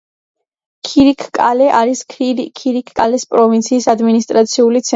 ქირიქკალე არის ქირიქკალეს პროვინციის ადმინისტრაციული ცენტრი.